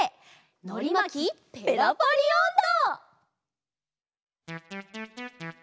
「のりまきペラパリおんど」！